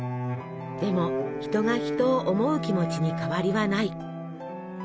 でも「人が人を思う気持ち」に変わりはない。